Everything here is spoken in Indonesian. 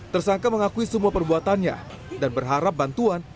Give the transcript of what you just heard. tersangka mengakui semua perbuatannya dan berharap bantuan